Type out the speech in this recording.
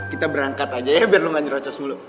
kita berangkat aja ya biar lo nggak nyerocos mulu